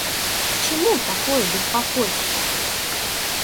К чему такое беспокойство!